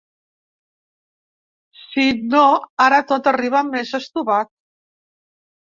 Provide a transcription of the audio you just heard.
Si no, ara tot arriba més estovat.